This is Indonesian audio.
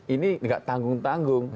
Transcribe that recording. ini tidak tanggung tanggung